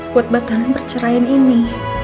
buat batalan perceraian ini